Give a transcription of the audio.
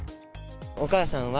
お母さんは、